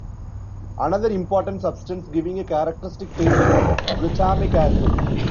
Another important substance giving a characteristic taste is glutamic acid.